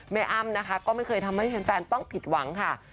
อ้ำนะคะก็ไม่เคยทำให้แฟนต้องผิดหวังค่ะ